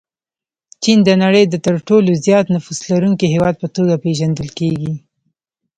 چین د نړۍ د تر ټولو زیات نفوس لرونکي هېواد په توګه پېژندل کېږي.